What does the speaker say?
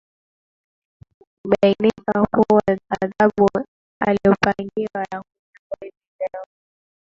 bainika kuwa adhabu aliopangiwa ya kunyongwa hivi leo